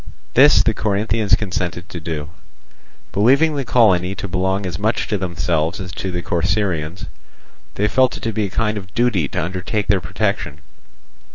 This the Corinthians consented to do. Believing the colony to belong as much to themselves as to the Corcyraeans, they felt it to be a kind of duty to undertake their protection.